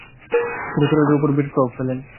তিনি ফেরেরের উপর বিরাট প্রভাব ফেলেন।